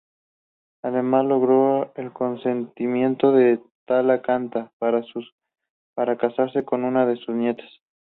Además, logró el consentimiento de Tala Canta para casarse con una de sus nietas.